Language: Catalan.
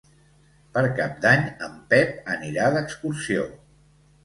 Per Cap d'Any en Pep anirà d'excursió.